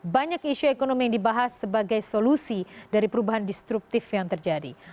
banyak isu ekonomi yang dibahas sebagai solusi dari perubahan destruktif yang terjadi